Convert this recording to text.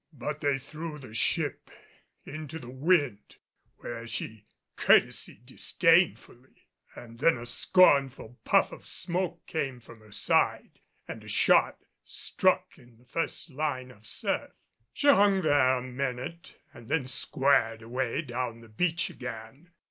But they threw the ship up into the wind, where she courtesied disdainfully, and then a scornful puff of smoke came from her side and a shot struck in the first line of surf. She hung there a minute and then squared away down the beach again.